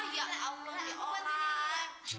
ya allah ya allah